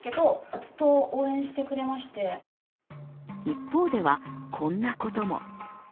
一方では、こんなことも。